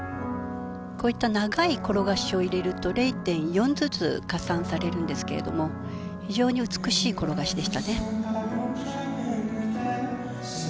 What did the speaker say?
こういった長い転がしを入れると０．４ずつ加算されるんですけれども非常に美しい転がしでしたね。